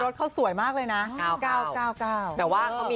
อ๋อตกใจ